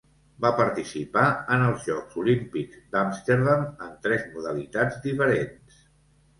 Va participar en els Jocs Olímpics d'Amsterdam en tres modalitats diferents.